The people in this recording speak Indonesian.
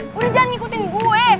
udah jangan ngikutin gue